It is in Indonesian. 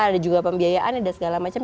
ada juga pembiayaan ada segala macam